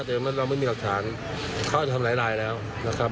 แต่ว่าเราไม่มีหลักฐานเขาอาจจะทำหลายลายแล้วนะครับ